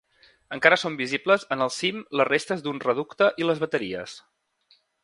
Encara són visibles en el cim les restes d'un reducte i les bateries.